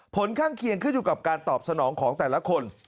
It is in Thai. ผลข้างเคียงขึ้นอยู่กับการตอบสนองของแต่ละคน